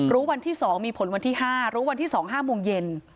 วันที่๒มีผลวันที่๕รู้วันที่๒๕โมงเย็น